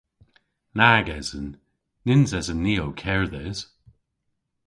Nag esen. Nyns esen ni ow kerdhes.